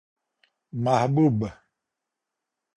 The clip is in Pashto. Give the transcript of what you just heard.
محبوب